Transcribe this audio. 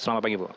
selamat pagi bu